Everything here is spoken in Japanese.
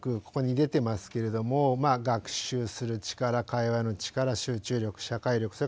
ここに出てますけれども学習する力会話の力集中力社会力